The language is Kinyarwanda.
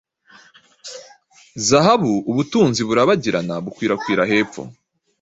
Zahabu-ubutunzi burabagirana bukwirakwira hepfo